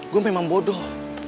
gue memang bodoh